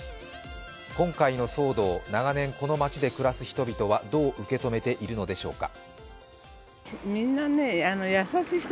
今回の騒動、長年この町で暮らす人々はどう受け止めているのでしょうか。